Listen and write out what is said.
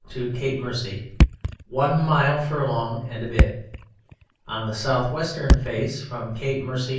v.) to Cape Mercy (q.v.), one mile one furlong and a bit. On the south western face from Cape Mercy (q.